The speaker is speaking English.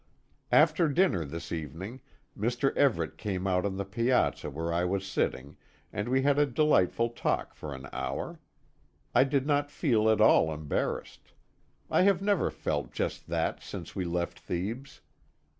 After dinner this evening, Mr. Everet came out on the piazza where I was sitting, and we had a delightful talk for an hour. I did not feel at all embarrassed. I have never felt just that since we left Thebes.